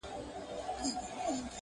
ټول اعمال یې له اسلام سره پیوند کړل،